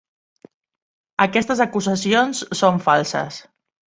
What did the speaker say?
Aquestes acusacions són falses.